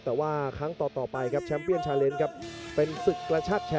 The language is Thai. แต่ว่าครั้งต่อไปครับแชมป์เบียนชาเลนส์ครับ